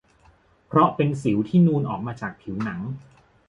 เพราะเป็นสิวที่นูนออกมาจากผิวหนัง